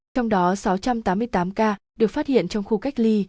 trong đó sáu trăm tám mươi tám ca được phát hiện trong khu cách ly